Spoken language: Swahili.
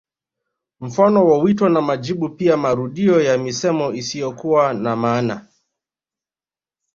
Mfano wa wito na majibu pia marudio ya misemo isiyokuwa na maana